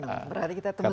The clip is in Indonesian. berarti kita temenan